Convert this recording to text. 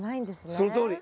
そのとおり。